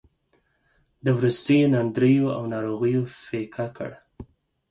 د وروستیو ناندریو او ناروغیو پېکه کړ.